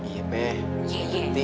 iya peh ngerti